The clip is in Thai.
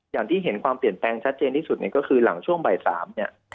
อย่างที่เห็นความเปลี่ยนแปลงชัดเจนที่สุดเนี่ยก็คือหลังช่วงบ่าย๓เนี่ย